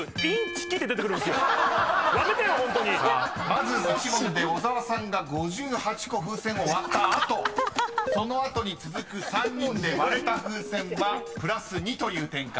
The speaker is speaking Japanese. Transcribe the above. ［まず１問で小沢さんが５８個風船を割った後その後に続く３人で割れた風船はプラス２という展開になっています］